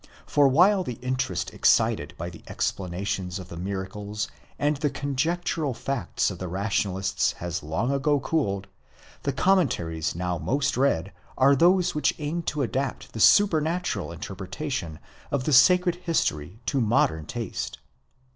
For while the interest excited by the explanations of the miracles and: the conjectural facts of the rationalists has long ago cooled, the commen taries now most read are those which aim to adapt the supernatural interpre tation of the sacred history to modern taste.